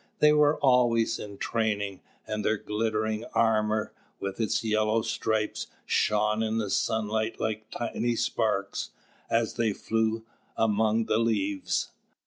They were always in training; and their glittering armor, with its yellow stripes, shone in the sunlight like tiny sparks, as they flew among the leaves.